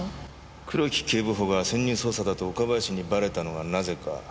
黒木警部補が潜入捜査だと岡林にバレたのはなぜか調べてる。